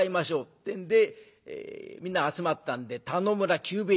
ってんでみんな集まったんで田能村久兵衛一座。